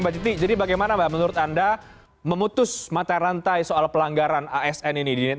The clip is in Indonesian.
mbak citi jadi bagaimana mbak menurut anda memutus mata rantai soal pelanggaran asn ini